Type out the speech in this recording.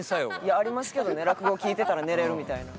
ありますけどね落語聞いてたら寝れるみたいなの。